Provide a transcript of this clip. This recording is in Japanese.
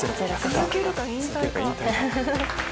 「続けるか引退か」。